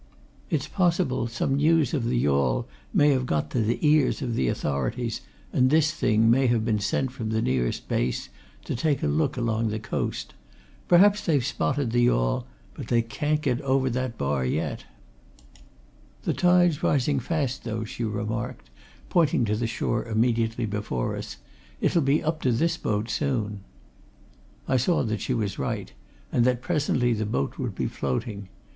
It's possible, some news of the yawl may have got to the ears of the authorities, and this thing may have been sent from the nearest base to take a look along the coast. Perhaps they've spotted the yawl. But they can't get over that bar, yet." "The tide's rising fast, though," she remarked, pointing to the shore immediately before us. "It'll be up to this boat soon." I saw that she was right, and that presently the boat would be floating.